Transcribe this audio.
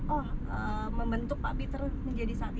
oh membentuk pak fitr menjadi saat ini